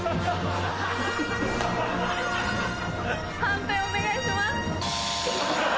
判定お願いします。